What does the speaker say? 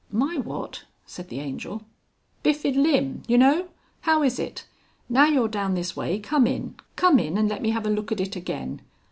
"My what?" said the Angel. "Bifid limb, you know. How is it? Now you're down this way, come in. Come in and let me have a look at it again.